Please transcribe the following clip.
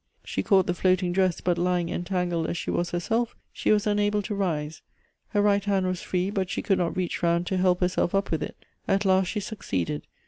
She caught the floating dress, but lying entangled as she was herself, she was unable to rise. Her right hand was free, but she could not reach round to help herself up with it ; at last she succeeded.